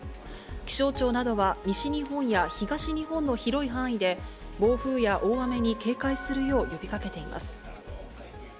気象庁などは、西日本や東日本の広い範囲で、暴風や大雨に警戒するよう呼びかけています。